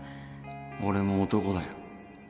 俺も男だよ。